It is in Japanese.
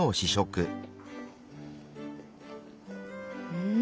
うん。